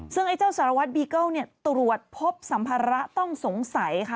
ซึ่งไอ้เจ้าสารวัตรบีเกิ้ลตรวจพบสัมภาระต้องสงสัยค่ะ